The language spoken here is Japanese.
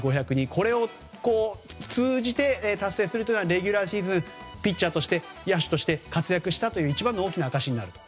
これを通じて達成するというのがレギュラーシーズンピッチャーとして野手として活躍したという一番の大きな証しになると。